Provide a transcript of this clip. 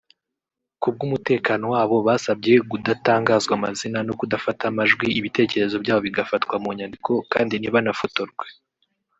Ku bw’umutekano wabo basabye gudatangazwa amazina no kudafatwa amajwi ibitekerezo byabo bigafatwa mu nyandiko kandi ntibanafotorwe